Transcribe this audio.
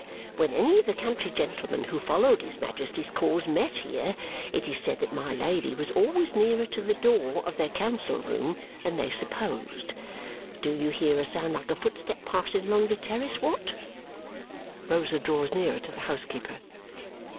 When any of the country gentlemen who followed his Majesty's cause met here, it is said that my Lady was always nearer to the door of their council room than they supposed. Do you hear a sound like a footstep passing along the terrace, Watt?" Rosa draws nearer to the housekeeper.